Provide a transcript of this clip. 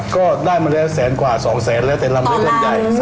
ก็ได้มามาแค่แสนกว่า๒แสนแล้วแต่ลำด้วยพรรดาย